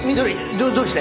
どどうして？